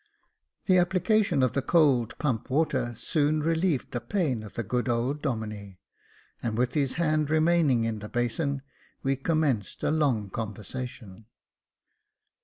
The application of the cold pump water soon relieved the pain of the good old Domine, and, with his hand remaining in the basin, we commenced a long conversation.